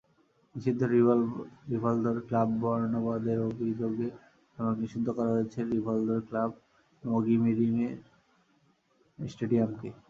নিষিদ্ধ রিভালদোর ক্লাববর্ণবাদের অভিযোগে সাময়িক নিষিদ্ধ করা হয়েছে রিভালদোর ক্লাব মগি মিরিমের স্টেডিয়ামকে।